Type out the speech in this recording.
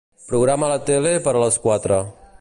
Programa la tele per a les quatre.